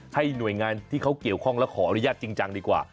หน่วยงานที่เขาเกี่ยวข้องและขออนุญาตจริงจังดีกว่า